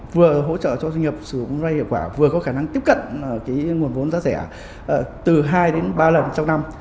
vừa hỗ trợ cho doanh nghiệp sử dụng rau hiệu quả vừa có khả năng tiếp cận cái nguồn vốn giá rẻ từ hai đến ba lần trong năm